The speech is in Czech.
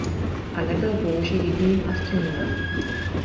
A nebyl v lóži jediným astronomem.